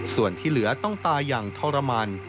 ส่วนที่เหลือต้องตายอย่างทรมาน